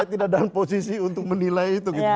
saya tidak dalam posisi untuk menilai itu gitu